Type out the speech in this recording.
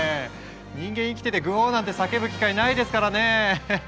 人間生きててグォーなんて叫ぶ機会ないですからね。